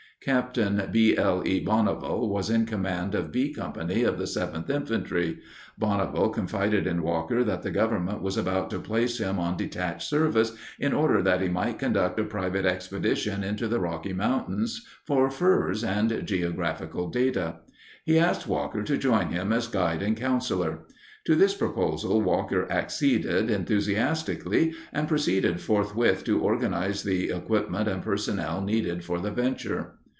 Captain B. L. E. Bonneville was in command of B Company of the 7th Infantry. Bonneville confided in Walker that the government was about to place him on detached service in order that he might conduct a private expedition into the Rocky Mountains for furs and geographical data. He asked Walker to join him as guide and counselor. To this proposal Walker acceded enthusiastically and proceeded forthwith to organize the equipment and personnel needed for the venture.